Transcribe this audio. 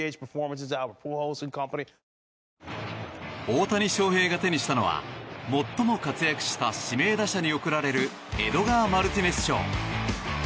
大谷翔平が手にしたのは最も活躍した指名打者に贈られるエドガー・マルティネス賞。